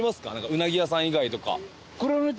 うなぎ屋さん以外とか。